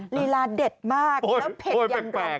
ลีลาเด็ดมากแล้วเผ็ดยำรำ